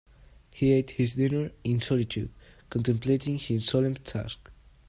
He ate his dinner in solitude, contemplating his solemn task.